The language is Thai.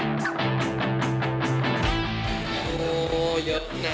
นั่นเท่าไรคะ